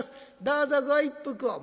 どうぞご一服を」。